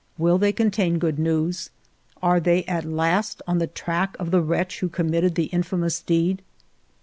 Will they contain good news ? Are they at last on the track of the wretch who committed the infamous deed